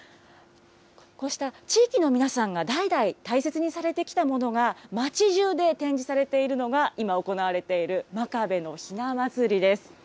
こうした地域の皆さんが代々大切にされてきたものが、町じゅうで展示されているのが、今、行われている真壁のひなまつりです。